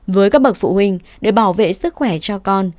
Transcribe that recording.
với các bậc phụ huynh để bảo vệ sức khỏe cho con